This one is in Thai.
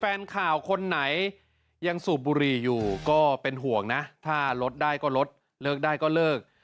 แฟนข่าวคนไหนยังสูบบุหรี่อยู่ก็เป็นห่วงนะถ้าลดได้ก็ลดเลิกได้ก็เลิก